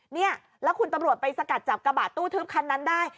เนี่ยแล้วคุณตำรวจไปสกัดจับกระบะตู้ทึบคันนั้นได้